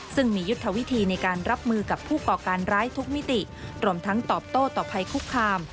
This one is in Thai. ซึ่งมียุทธวิธีในการรับมือกับผู้ก่อการร้ายทุกมิติรวมทั้งตอบโต้ต่อภัยคุกคาม